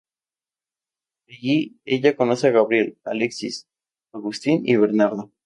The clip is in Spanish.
Allí, ella conoce a Gabriel, Alexis, Agustín y Bernardo.